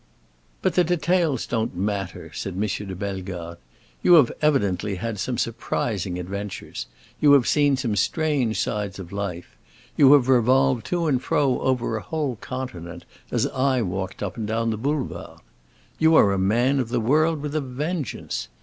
"But the details don't matter," said M. de Bellegarde. "You have evidently had some surprising adventures; you have seen some strange sides of life, you have revolved to and fro over a whole continent as I walked up and down the Boulevard. You are a man of the world with a vengeance!